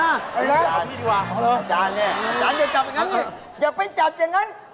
อาจารย์อาจารย์อย่าจับอย่างนั้นอย่าไปจับอย่างนั้น